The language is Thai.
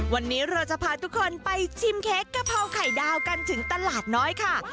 วันนี้เราจะพาทุกคนไปชิมเค้กกะเพราไข่ดาวกันถึงตลาดน้อยค่ะ